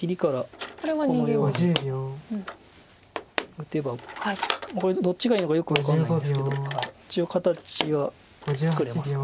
打てばこれでどっちがいいのかよく分かんないんですけど一応形は作れますか。